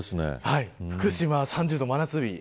福島は３０度で真夏日。